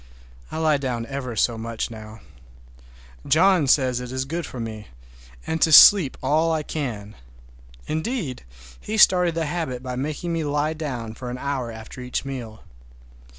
I lie down ever so much now. John says it is good for me, and to sleep all I can. Indeed, he started the habit by making me lie down for an hour after each meal.